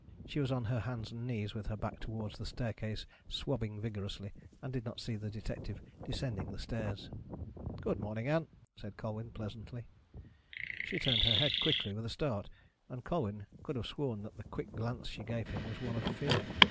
She was on her hands and knees, with her back towards the staircase, swabbing vigorously, and did not see the detective descending the stairs. "Good morning, Ann," said Colwyn, pleasantly. She turned her head quickly, with a start, and Colwyn could have sworn that the quick glance she gave him was one of fear.